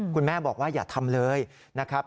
คุณแม่บอกว่าอย่าทำเลยนะครับ